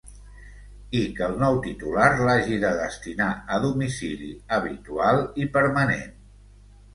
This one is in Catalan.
I que el nou titular l'hagi de destinar a domicili habitual i permanent.